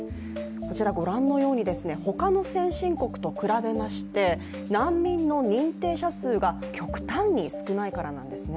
こちらご覧のように、他の先進国と比べまして難民の認定者数が極端に少ないからなんですね